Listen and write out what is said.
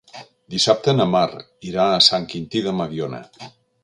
Dissabte na Mar irà a Sant Quintí de Mediona.